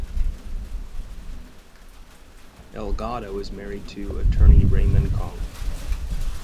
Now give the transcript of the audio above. Alegado is married to attorney Raymond Kong.